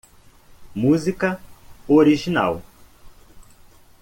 Música original.